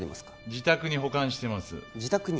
自宅に保管してます自宅に？